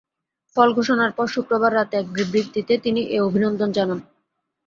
ফল ঘোষণার পর শুক্রবার রাতে এক বিবৃতিতে তিনি এ অভিনন্দন জানান।